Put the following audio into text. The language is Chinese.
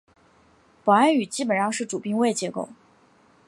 保安语基本上是主宾谓结构。